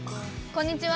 こんにちは。